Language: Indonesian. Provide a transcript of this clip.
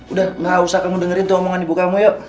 udah gak usah kamu dengerin tuh omongan ibu kamu yuk